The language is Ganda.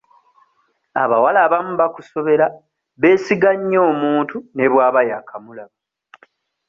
Abawala abamu bakusobera beesiga nnyo omuntu ne bw'aba yaakamulaba.